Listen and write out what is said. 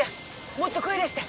もっと声出して！